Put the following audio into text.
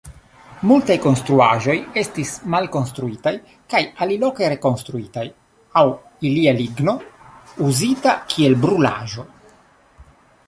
Multaj konstruaĵoj estis malkonstruitaj kaj aliloke rekonstruitaj aŭ ilia ligno uzita kiel brulaĵo.